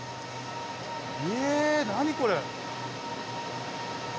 え何これ。